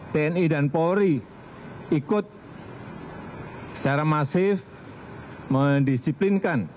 tni dan polri ikut secara masif mendisiplinkan